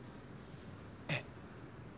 えっ？